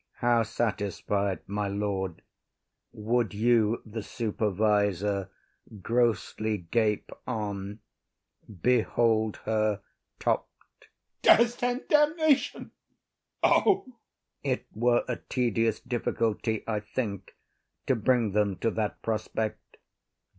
How satisfied, my lord? Would you, the supervisor, grossly gape on, Behold her topp’d? OTHELLO. Death and damnation! O! IAGO. It were a tedious difficulty, I think, To bring them to that prospect.